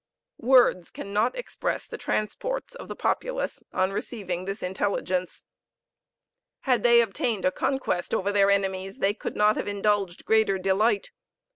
Words cannot express the transports of the populace on receiving this intelligence; had they obtained a conquest over their enemies, they could not have indulged greater delight.